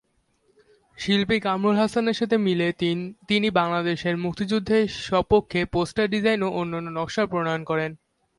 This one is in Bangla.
শিল্পী কামরুল হাসানের সাথে মিলে তিনি বাংলাদেশের মুক্তিযুদ্ধের স্বপক্ষে পোস্টার ডিজাইন ও অন্যান্য নকশা প্রণয়ন করেন।